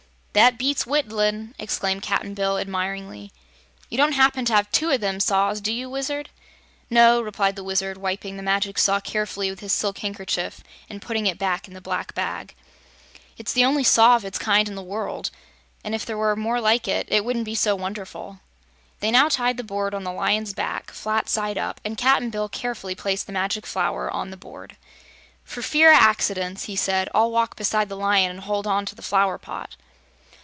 "That beats whittlin'!" exclaimed Cap'n Bill, admiringly. "You don't happen to have TWO o' them saws; do you, Wizard?" "No," replied the Wizard, wiping the Magic Saw carefully with his silk handkerchief and putting it back in the black bag. "It's the only saw of its kind in the world; and if there were more like it, it wouldn't be so wonderful." They now tied the board on the Lion's back, flat side up, and Cap'n Bill carefully placed the Magic Flower on the board. "For fear o' accidents," he said, "I'll walk beside the Lion and hold onto the flower pot."